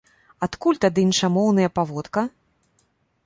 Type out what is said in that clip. Адкуль тады іншамоўныя паводка?